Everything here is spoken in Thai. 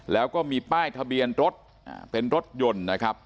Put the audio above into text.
แล้วก็มีป้ายทะเบียนรถเป็นรถยนต์นะครับ